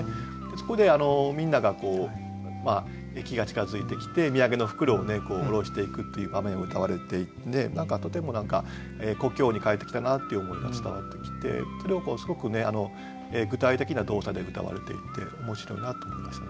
そこでみんなが駅が近づいてきて土産の袋を下ろしていくという場面をうたわれていてとても故郷に帰ってきたなっていう思いが伝わってきてそれをすごく具体的な動作でうたわれていて面白いなと思いましたね。